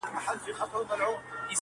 په خبرو کي خبري پيدا کيږي.